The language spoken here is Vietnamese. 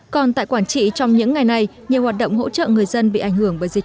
còn tại quảng trị trong những ngày này nhiều hoạt động hỗ trợ người dân bị ảnh hưởng bởi dịch